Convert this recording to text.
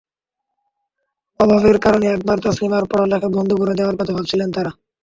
অভাবের কারণে একবার তাছলিমার পড়ালেখা বন্ধ করে দেওয়ার কথা ভাবছিলেন তাঁরা।